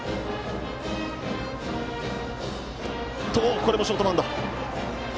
これもショートバウンド。